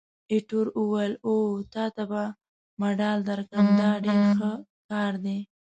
ایټور وویل: اوه، تا ته به مډال درکړي! دا ډېر ښه کار دی.